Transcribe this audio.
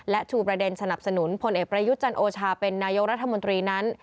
และชูประเด็นสนับสนุนพลเอกประยุทธ์จันโอชาเป็นนายกรัฐมนตรีนั้น